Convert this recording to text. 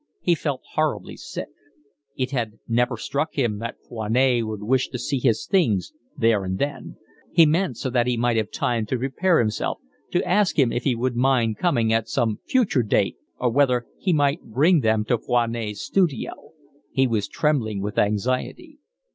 He felt horribly sick. It had never struck him that Foinet would wish to see his things there and then; he meant, so that he might have time to prepare himself, to ask him if he would mind coming at some future date or whether he might bring them to Foinet's studio. He was trembling with anxiety.